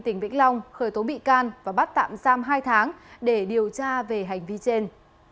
tỉnh vĩnh long khởi tố bị can và bắt tạm giam hai tháng để điều tra về hành vi trên